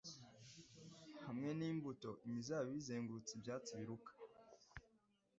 Hamwe n'imbuto imizabibu izengurutsa ibyatsi biruka;